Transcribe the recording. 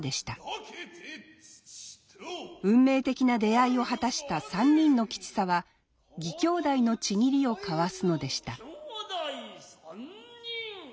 運命的な出会いを果たした三人の吉三は義兄弟の契りを交わすのでした。